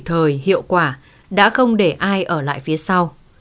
thời hiệu quả đã không để ai ở lại phía sau